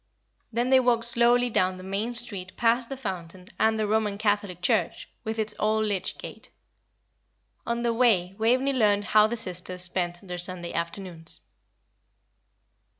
Then they walked slowly down the main street past the fountain and the Roman Catholic church, with its old lych gate. On their way Waveney learned how the sisters spent their Sunday afternoons.